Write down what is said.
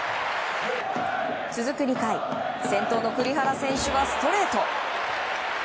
続く２回、先頭の栗原選手はストレート。